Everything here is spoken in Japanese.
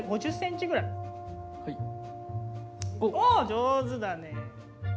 おっ上手だね。